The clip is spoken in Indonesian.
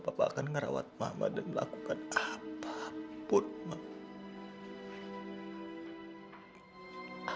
papa akan ngerawat mama dan melakukan apa pun mama